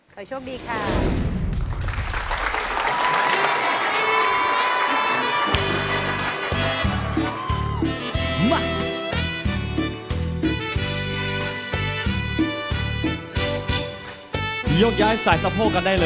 ขอโชคดีครับ